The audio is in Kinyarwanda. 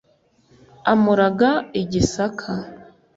amuraga i-Gisaka